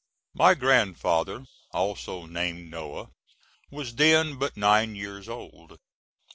My grandfather, also named Noah, was then but nine years old.